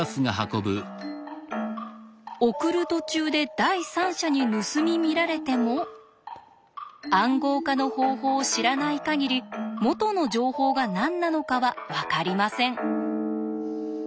送る途中で第三者に盗み見られても暗号化の方法を知らない限り元の情報が何なのかはわかりません。